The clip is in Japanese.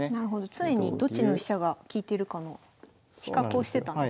常にどっちの飛車が利いてるかの比較をしてたんですね。